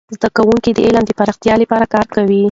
زده کوونکي د علم د پراختیا لپاره کار کوي.